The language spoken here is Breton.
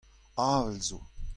avel zo.